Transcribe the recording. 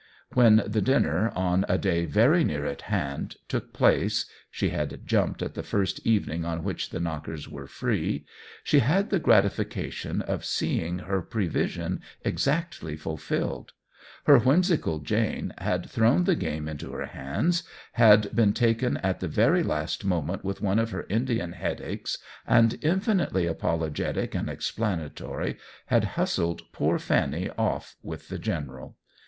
When THE WHEEL OF TIME 19 the dinner, on a day very near at hand, took place (she had jumped at the first evening on which the Knockers were free) she had the gratification of seeing her pre vision exactly fulfilled. Her whimsical Jane had thrown the game into her hands, had been taken at the very last moment with one of her Indian headaches and, infinitely apologetic and explanatory, had hustled poor Fanny off with the General.